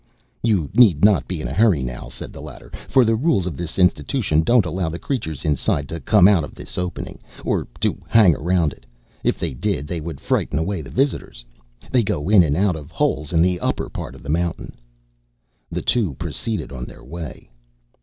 "You need not be in a hurry now," said the latter, "for the rules of this institution don't allow the creatures inside to come out of this opening, or to hang around it. If they did, they would frighten away visitors. They go in and out of holes in the upper part of the mountain." The two proceeded on their way.